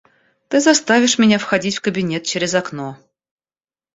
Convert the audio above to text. Ты заставишь меня входить в кабинет через окно.